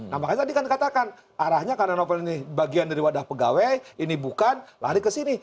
nah makanya tadi kan dikatakan arahnya karena novel ini bagian dari wadah pegawai ini bukan lari ke sini